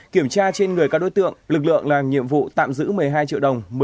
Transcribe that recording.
kiểm tra trên người các đối tượng lực lượng làm nhiệm vụ tạm giữ một mươi hai triệu đồng